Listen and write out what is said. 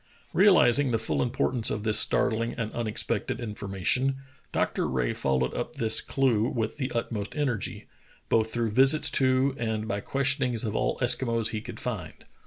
Realizing the full importance of this startling and unexpected information. Dr. Rae followed up this clew with the utmost energy, both through visits to and 152 True Tales of Arctic Heroism by questionings of all Eskimos he could find.